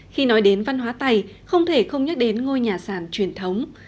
khi nói đến văn hóa tày không thể không nhắc đến ngôi nhà sàn truyền thống